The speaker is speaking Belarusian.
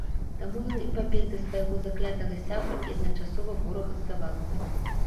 Таму ён і пабег да свайго заклятага сябра і адначасова ворага здавацца.